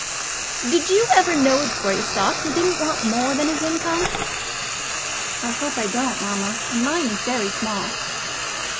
"Did you ever know a Greystock who didn't want more than his income?" "I hope I don't, mamma, and mine is very small."